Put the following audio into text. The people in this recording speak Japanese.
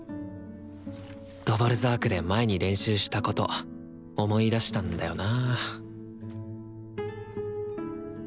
ドヴォルザークで前に練習したこと思い出したんだよな